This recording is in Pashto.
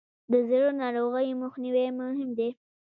د زړه ناروغیو مخنیوی مهم دی.